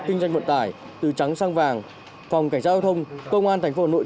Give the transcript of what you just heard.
kinh doanh vận tải từ trắng sang vàng phòng cảnh sát giao thông công an thành phố hà nội